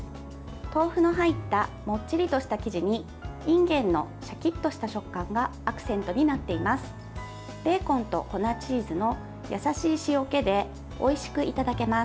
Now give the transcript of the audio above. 豆腐の入ったもっちりとした生地にいんげんのシャキッとした食感がアクセントになっています。